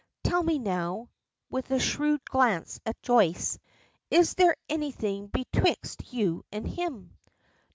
Tell me now," with a shrewd glance at Joyce, "is there anything betwixt you and him?"